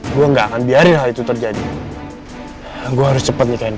gua enggak akan biarin hal itu terjadi gua harus cepat nikahin